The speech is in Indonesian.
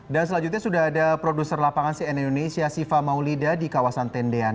dan selanjutnya sudah ada produser lapangan cnn indonesia siva maulida di kawasan tendean